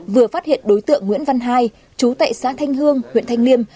vừa phát hiện đối tượng nguyễn văn hai chú tại xã thanh hương huyện thanh liêm